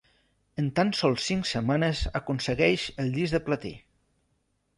En tan sols cinc setmanes aconsegueix el Disc de Platí.